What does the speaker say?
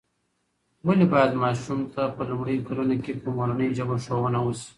ولې باید ماشوم ته په لومړیو کلونو کې په مورنۍ ژبه ښوونه وسي؟